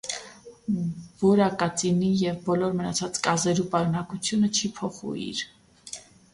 Բորակածինի եւ բոլոր մնացած կազերու պարունակութիւնը չի փոխուիր։